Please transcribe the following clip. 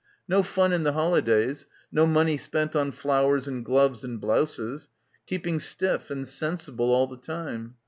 No fun in the holidays, no money spent on flowers and gloves and blouses. Keeping stiff and sensible all the time.